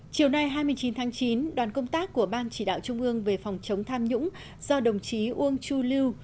chiều nay hai mươi chín tháng chín đoàn công tác của ban chỉ đạo trung ương về phòng chống tham nhũng do đồng chí uông chu lưu